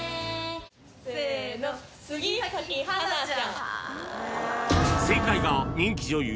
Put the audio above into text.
ニトリ正解が人気女優